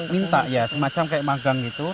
minta ya semacam kayak magang gitu